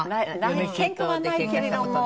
ケンカはないけれども。